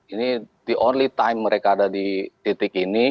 ini the only time mereka ada di titik ini